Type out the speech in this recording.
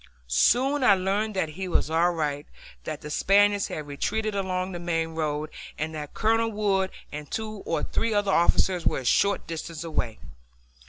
Soon I learned that he was all right, that the Spaniards had retreated along the main road, and that Colonel Wood and two or three other officers were a short distance away.